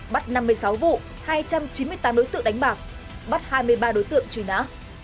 bắt năm mươi sáu vụ hai trăm chín mươi tám đối tượng đánh bạc bắt hai mươi ba đối tượng truy nã